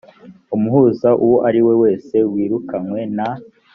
umuhuza uwo ari we wese wirukanywe na